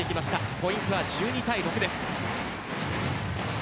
ポイントは１２対６です。